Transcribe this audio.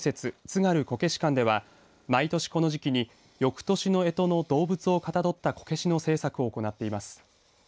津軽こけし館では毎年この時期に翌年の干支の動物をかたどったこけしの制作を行っています。